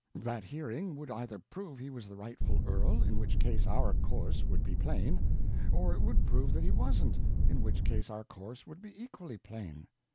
That hearing would either prove he was the rightful earl—in which case our course would be plain—or it would prove that he wasn't—in which case our course would be equally plain.